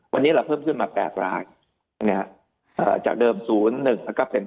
วันนี้เราเพิ่มขึ้นมา๘รายจากเดิมศูนย์หนึ่งแล้วก็เป็น